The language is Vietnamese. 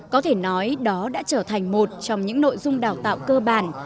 có thể nói đó đã trở thành một trong những nội dung đào tạo cơ bản